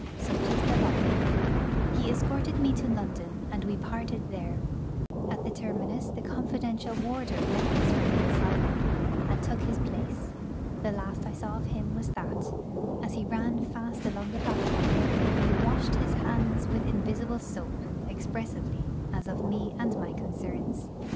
Such is the law. He escorted me to London, and we parted there. At the terminus the confidential warder met us from the asylum, and took his place. The last I saw of him was that, as he ran fast along the platform, he 'washed his hands with invisible soap,' expressively, as of me and my concerns.